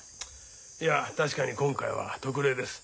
いや確かに今回は特例です。